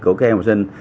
của các em học sinh